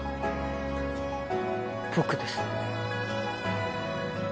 僕です